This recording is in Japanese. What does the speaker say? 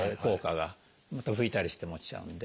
拭いたりしても落ちちゃうんで。